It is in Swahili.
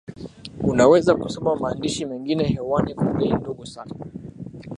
unaweza kusoma maandishi mengine hewani kwa bei ndogo sana